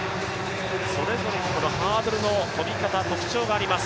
それぞれにハードルの跳び方、特徴があります。